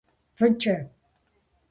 ФӀыкӀэ…